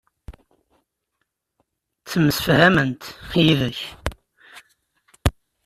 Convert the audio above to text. Ttemsefhament yid-k.